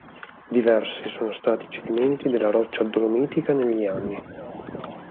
Diversi sono stati i cedimenti della roccia dolomitica negli anni.